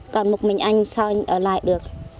còn một mình anh sao ở lại được